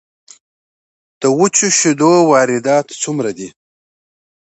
د وچو شیدو واردات څومره دي؟